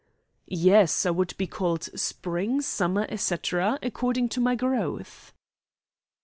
"Yes; I would be called Spring, Summer, etc, according to my growth."